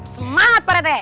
semangat pak rete